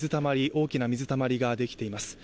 大きな水たまりができています。